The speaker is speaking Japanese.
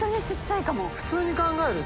普通に考えると